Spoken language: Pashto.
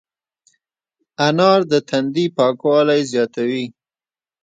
انار د تندي پاکوالی زیاتوي.